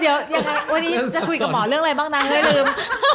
เดี๋ยววันนี้จะคุยกับหมอเรื่องอะไรบ้างนะเฮ้ยลืม